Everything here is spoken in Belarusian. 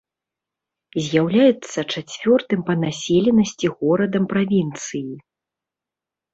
З'яўляецца чацвёртым па населенасці горадам правінцыі.